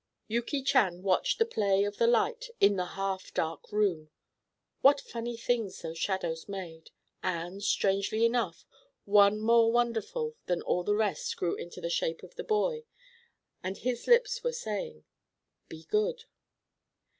Yuki Chan watched the play of the light in the half dark room. What funny things those shadows made, and, strangely enough, one more wonderful than all the rest grew into the shape of the boy, and his lips were saying, "Be good."